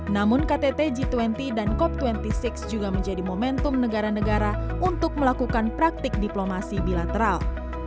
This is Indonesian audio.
namun ktt g dua puluh dan cop dua puluh enam juga menjadi momentum negara negara untuk melakukan praktik diplomasi bilateral